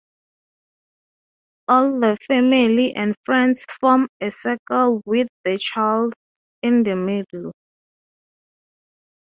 All the family and friends form a circle with the child in the middle.